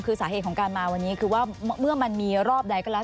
คือสาเหตุของการมาวันนี้คือว่าเมื่อมันมีรอบใดก็แล้ว